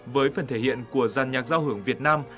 với phần thể hiện của gian nhạc giao hưởng việt nam